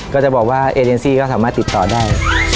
ก็จะบอกว่าเอเลนซี่ก็สามารถติดต่อได้